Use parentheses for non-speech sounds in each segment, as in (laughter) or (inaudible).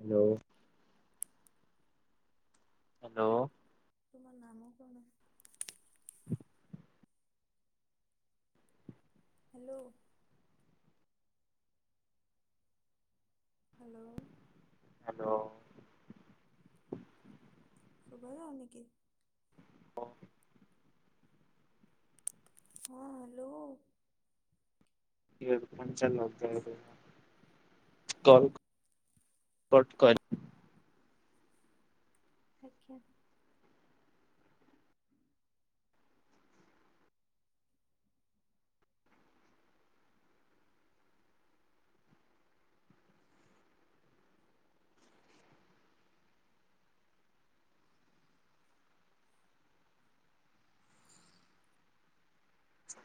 Hello. Hello. ତୁମର ନାମ କଣ? ହ ହ୍ୟାଲୋ। ହ୍ୟାଲୋ। ହ୍ୟାଲୋ। (unintelligible) ହ ହଁ ହ୍ୟାଲୋ। (inaudible) (inaudible) ଆଜ୍ଞା। ଆ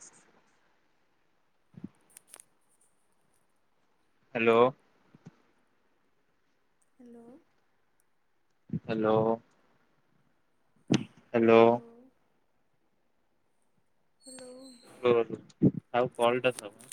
hello. Hello. Hello. Hello. Hello. (inaudible)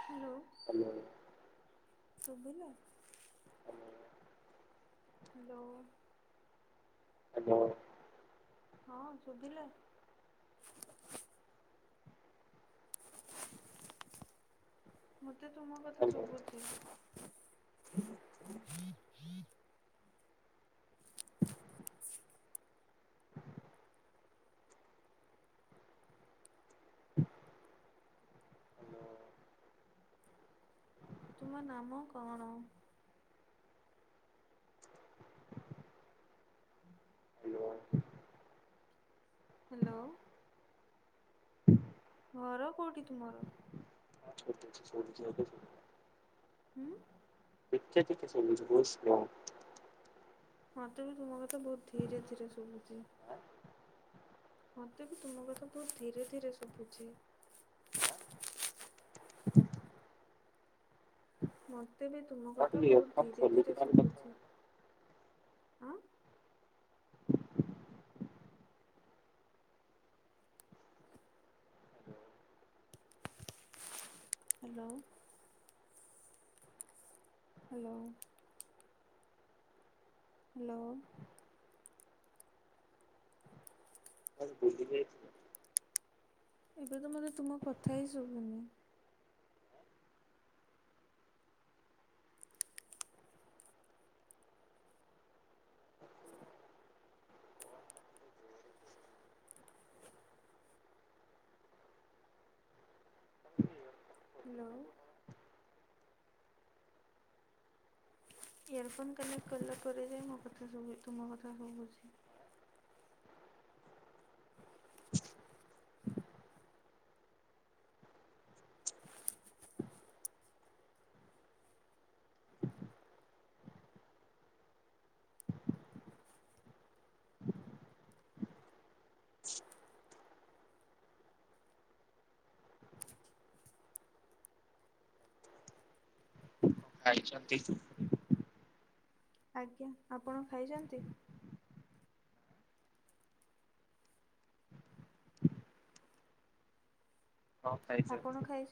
Hello. ଧନ୍ୟବାଦ। ଶୁଭିଲା। ହ୍ୟାଲୋ। ହ୍ୟାଲୋ। ହଁ ଶୁଭିଲା। ମତେ ତୁମ କଥା ଶୁଭୁଛି। ହଁ। ତୁମ ନାମ କଣ? (inaudible) ହାଲୋ। ଘର କୋଉଠି ତୁମର? (unintelligible) ଉଁ। ଟିକେ ଟିକେ ଶୁବୁଚି ବହୁତ୍ ସ୍ଲୋ। ମତେବି ତୁମ କଥା ବହୁତ୍ ଧୀରେ ଧୀରେ ଶୁବୁଚି। ମତେବି ତୁମ କଥା ବହୁତ୍ ଧୀରେ ଧୀରେ ଶୁବୁଚି। ମତେବି ତୁମ ହଁ କଥା ଟିକେ ଇୟର ବହୁତ୍ ଫୋନ୍ ଧୀରେ ଖୋଲିକି ଧୀରେ ନହେଲେ ଶୁବୁଚି କଥା ଆଁ। ହାଲୋ। ହାଲୋ। ହାଲୋ। ଆଁ ଭୁଲିଯାଇଚି ଏବେତ ମତେ ତୁମ କଥାହିଁ ଶୁବୁନି। ହଁ। ହାଲୋ। ୟରଫୋନ୍ କନେକ୍ଟ କଲା ପରେବି ମୋ କଥା ସବୁ ତୁମ କଥା ସବୁଚି। (inaudible) (inaudible) ଖାଇଚନ୍ତି? ଆଜ୍ଞା ଆପଣ ଖାଇଚନ୍ତି? ହଁ ଖାଇଚି। ଆପଣ ଖାଇ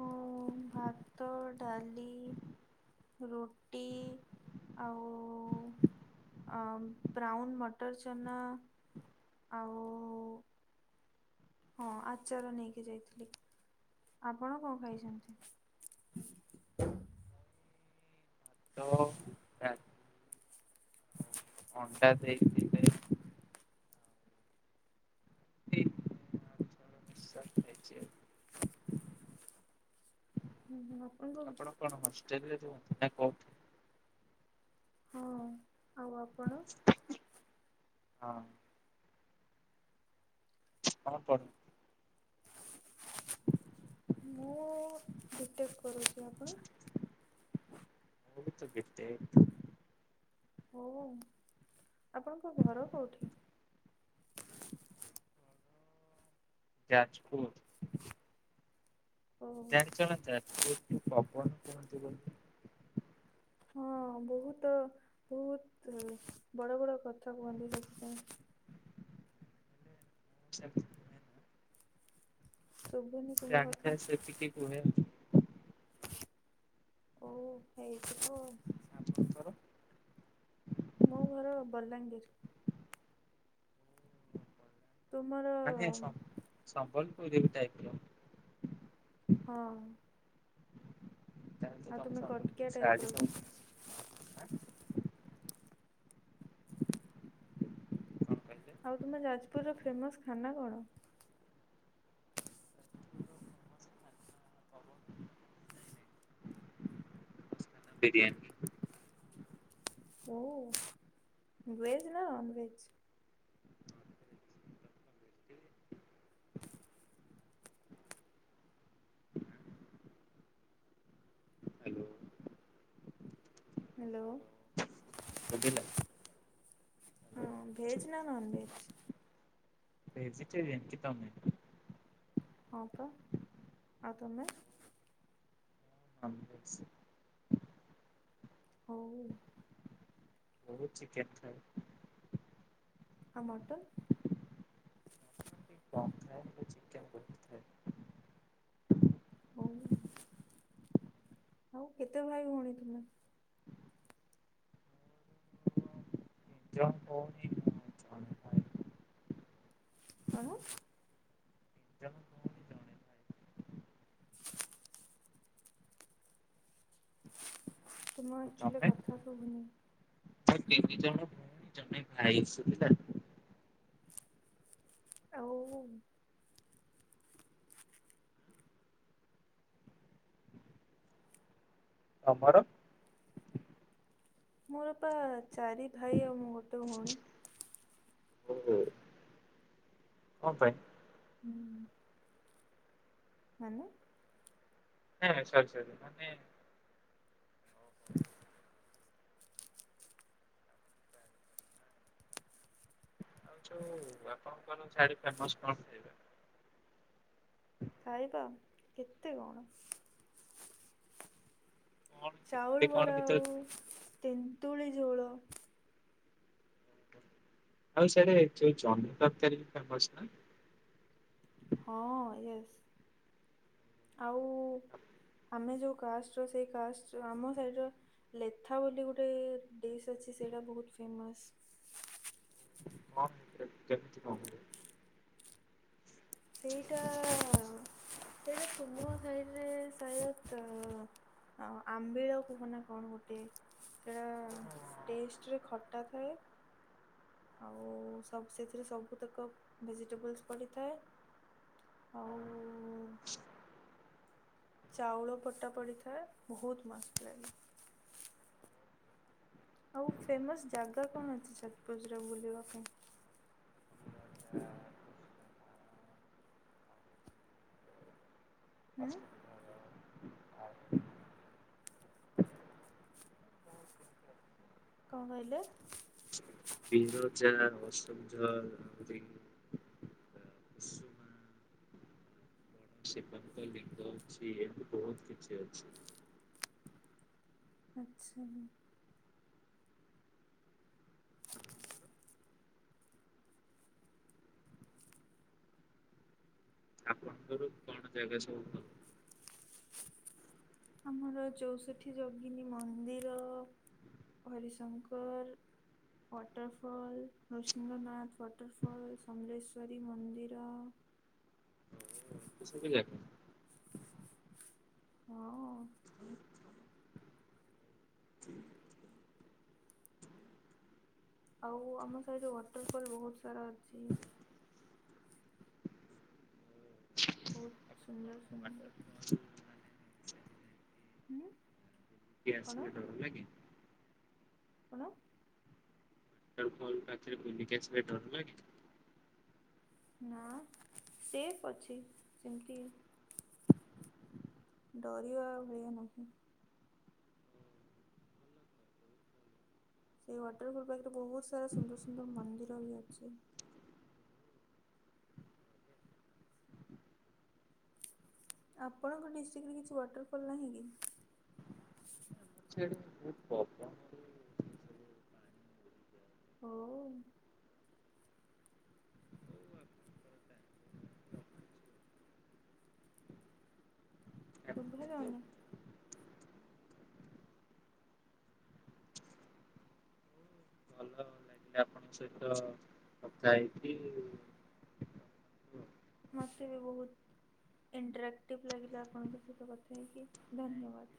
ମୁଁ ଭାତ ଡ଼ାଲି ରୁଟି ଆଉ ଅଁ ବ୍ରାଉନ୍ ମଟର ଚଛେନା ଆଉ ହଁ ଆଚାର ନେଇକି ଯାଇଥିଲି ଆପଣ କଣ ଖାଇଚନ୍ତି? ତ (unintelligible) ଡାଲି ଅଣ୍ଡା ଦେଇଚି ଆଚ୍ଛା। ହୁଁ ହୁଁ (unintelligible) ଆପଣ କଣ ହଷ୍ଟେଲରେ ରୁହନ୍ତି ନା କଉଠି? ହଁ ଆଉ ଆପଣ? ହଁ। କଁ କରୁ ମୁଁ ବିଟେକ କରୁଚି ଆପଣ? (unintelligible) କେତେ ହଁ ଆପଣଙ୍କ ଘର କୋଉଠି? ଯାଜପୁରା। ଓ ଜାଣିଚନା ଯାଜପୁରକୁ ପବନ କୁହନ୍ତି ବୋଲି? ହଁ ବହୁତ ବହୁତ୍ ବଡ଼ ବଡ଼ କଥା କୁହନ୍ତି ସେଥିପାଇଁ। ଛା (unintelligible) ଶୁବୁନି? ଜାଣିଥାଏ ସେତିିକି କୁହେ। ଓ ହେଇଥିବ ଆଉ। ଆପଣଙ୍କର? ମୋ ଘର ବଲାଙ୍ଗୀର୍। ତୁମର ମାନେ ସ ସମ୍ବଲପୁରୀ ଆଇଥିଲ। ହଁ। ତାହେଲେ ତ ଆଉ ତମେ ତୁମେ କଟିକିଆ ସମ୍ବଲପୁରୀ ଶାଢ଼ୀ ସବୁ ଟାଇପର। ଆଁ କଣ କହିଲେ? ଆଉ ତୁମ ଯାଜପୁରର ଫେମସ୍ ଖାନା କଣ? ବିରିୟାନୀ। ଓ ଭେଜ୍ ନା ନନ୍ ଭେଜ୍? Hello hello. ଶୁଭିଲା? ହଁ ଭେଜ୍ ନା ନନ୍ ଭେଜ୍? ଭେଜିଟେରିୟାନ କି ତମେ? ହଁ ପା ଆଉ ତମେ? (unintelligible) ହଉ। ବହୁତ୍ ଚିକେନ୍ ଖାଏ। ଆଉ ମଟନ୍? କମ୍ ଖାଏ ହେଲେ ଚିକେନ ବହୁତ ଖାଏ। ହଉ। ଆଉ କେତେ ଭାଇ ଭଉଣୀ ତୁମେ? ନିଜ ଭଉଣୀ ଦିଜଣ କଣ? (unintelligible) ଭାଇ ତୁମର ଆଉ ଆକ୍ଚୁଆଲି ତମେ କଥା ଶୁୁବୁନି? ମୁଁ ତିନି ଜଣ ଭଉଣୀ ଜଣେ ଭାଇ (unintelligible) ଆଉ ତମର? ମୋରପା ଚାରି ଭାଇ ଆଉ ମୁଁ ଗୋଟେ ଭଉଣୀ। ଓହୋ। କଁ ପାଇଁ? ହୁଁ। ମାନେ। ଏ ସରି ସରି ମାନେ ଆଉ ଯୋଉ ଆପଣ (unintelligible) ଫେମେସ୍ ଖାଇବା କେତେ କଣ। କଣ ଚାଉଳ କେତେ ବରା କଣ ଭିତରେ ହେଉ ତେନ୍ତୁଳି ଝୋଳ। ଆଉ ସିଆଡ଼େ ଯୋଉ ଜହ୍ନି ତରକାରୀ ଫେମେସନା? ହଁ ୟେସ୍ ଆଉ ଆମେ ଯୋଉ କାଷ୍ଟର ସେଇ କାଷ୍ଟର ଆମ ସାଇଡ଼ର ଲେଥା ବୋଲି ଗୋଟେ ଡିସ୍ ଅଛି ସେଇଟା ବୋହୁତ୍ ଫେମସ୍। (unintelligible) ସେଇଟା ସେଇଟା ତୁମ ସାଇଟରେ ସାଏଦ ଆଉ ଆମ୍ବିଳ କୁହନା କଣ ଗୋଟେ ସେଇଟା ଟେଷ୍ଟରେ ଖଟା ଥାଏ ଆଉ ସବୁ ସେଥିରେ ସବୁତକ ଭେଜିଟେବଲ୍ସ ପଡ଼ିଥାଏ। ଆଉ ଚାଉଳ ପଟା ପଡ଼ିଥାଏ ବୋହୁତ ମସ୍ତ ଲାଗେ। ଆଉ ଫେମସ ଜାଗା କଣ ଅଛି ଯଜପୁର ରେ ବୁଲିବା ପାଇଁ? ଆଁ। କଣ କଇଲେ? ବିରଜା, ଅଶୋକଝର, ଉଜି ବଡ଼ ଶିବଙ୍କ ଲିଙ୍ଗ ଅଛି ଏମତି ବହୁତ କିଛି ଅଛି। ଆଚ୍ଛା ହୁଁ। ଆପଣଙ୍କର କଣ ଜାଗା ସବୁ କ ଆମର ଚୋଷୋଠି ଯୋଗିନୀ ମନ୍ଦିର, ହରିଶଙ୍କର ୱାଟରଫଲ୍, ନୃସିଂହନାଥ ୱାଟରଫଲ୍, ସମଲେଶ୍ଵରୀ ମନ୍ଦିର ସୁଵିଲା? ହଁ। ଆଉ ଆମ ସାଇଡ୍ ରେ ୱାଟରଫଲ୍ ବହୁତ ସାରା ଅଛି। ବହୁତ ସୁନ୍ଦର ସୁନ୍ଦର। ଉଁ। ଗ୍ୟାସ୍ ସିଲିଣ୍ଡର ହେଲା କି? କଣ? ତମେ ଫୋନ କାଟଲା ପରେ କିଏ ଆସି ଧରଲାକି? ନା ସେଫ ଅଛି ସେମତି। ଡରିବା ଆଉ ଭୟ ନାହିଁ। ସେଇ ୱାଟରଫଲ୍ ପାଖରେ ବହୁତ ସାରା ସୁନ୍ଦର ସୁନ୍ଦର ମନ୍ଦିର ବି ଅଛି। ଆପଣଙ୍କ ଡିଷ୍ଟିକରେ କିଛି ୱାଟରଫଲ୍ ନାହିଁ କି? ଛେଡ଼। ହୋଉ। ଭଲ ଲାଗିଲା ଶୁଭା ଯାଉନି। ଭଲ ଲାଗିଲା ଆପଣଙ୍କ ସହିତ କଥା ହେଇକି। ମତେ ବି ବହୁତ ଇଣ୍ଟରାକ୍ଟିଭ ଲାଗିଲା ଆପଣଙ୍କ ସହିତ କଥା ହେଇକି ଧନ୍ୟବାଦ।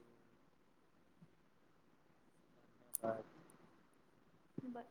ବାଏ।